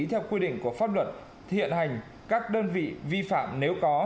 theo quy định của pháp luật hiện hành các đơn vị vi phạm nếu có